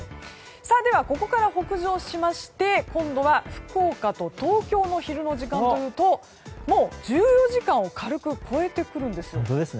では、ここから北上しまして今度は福岡と東京の昼の時間はというともう１４時間を軽く超えてくるんですよ。